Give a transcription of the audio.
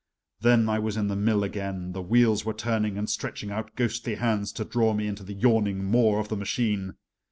Then I was in the mill again; the wheels were turning and stretching out ghostly hands to draw me into the yawning maw of the machine.